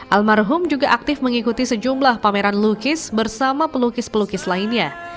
almarhum juga aktif mengikuti sejumlah pameran lukis bersama pelukis pelukis lainnya